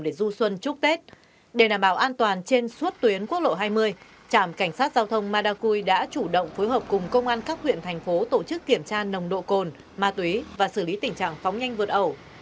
để đảm bảo an toàn trên suốt tuyến quốc lộ hai mươi trạm cảnh sát giao thông madagui đã chủ động phối hợp cùng công an các huyện thành phố tổ chức kiểm tra nồng độ cồn ma túy và xử lý tình trạng phóng nhanh vượt ẩu